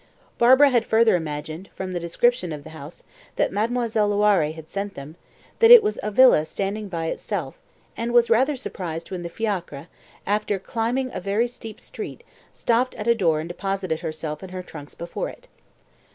Barbara had further imagined, from the description of the house that Mademoiselle Loiré had sent them, that it was a villa standing by itself, and was rather surprised when the fiacre, after climbing a very steep street, stopped at a door and deposited herself and her trunks before it.